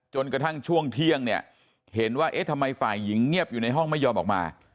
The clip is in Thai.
จนกระทั่งช่วงเที่ยงเนี่ยเห็นว่าเอ๊ะทำไมฝ่ายหญิงเงียบอยู่ในห้องไม่ยอมออกมา